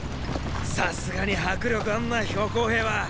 さすがに迫力あんな公兵は。